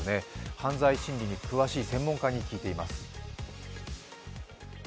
犯罪心理に詳しい専門家に聞いています。